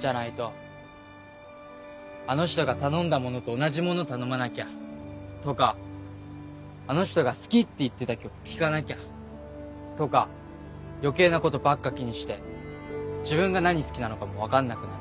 じゃないと「あの人が頼んだものと同じもの頼まなきゃ」とか「あの人が好きって言ってた曲聴かなきゃ」とか余計なことばっか気にして自分が何好きなのかも分かんなくなる。